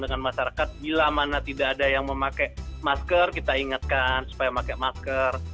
dengan masyarakat bila mana tidak ada yang memakai masker kita ingatkan supaya pakai masker